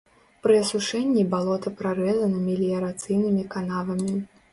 Пры асушэнні балота прарэзана меліярацыйнымі канавамі.